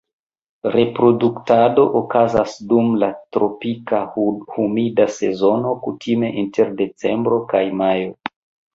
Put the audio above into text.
Reproduktado okazas dum la tropika humida sezono kutime inter decembro kaj majo.